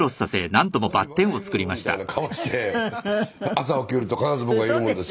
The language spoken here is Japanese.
朝起きると必ず僕がいるもんですから。